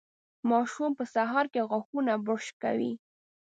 ماشوم په سهار کې غاښونه برش کوي.